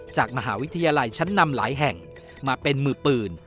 จากมหาวิทยาลัยชั้นนำหลายแห่งมาเป็นมือปืน